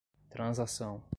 transação